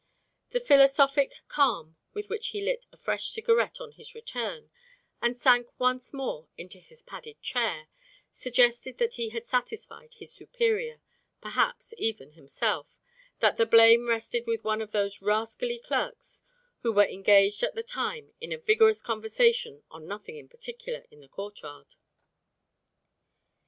The philosophic calm with which he lit a fresh cigarette, on his return, and sank once more into his padded chair, suggested that he had satisfied his superior, perhaps even himself, that the blame rested with one of those rascally clerks who were engaged at the time in a vigorous conversation on nothing in particular in the courtyard.